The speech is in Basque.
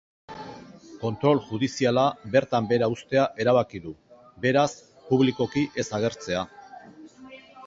Kontrol judiziala bertan behera uztea erabaki du, beraz, publikoki ez agertzea.